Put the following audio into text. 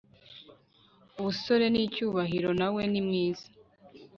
ubusore n'icyubahiro na we ni mwiza